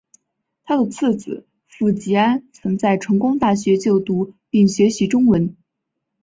他的次子傅吉安曾在成功大学就读并学习中文。